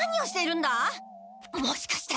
もしかして。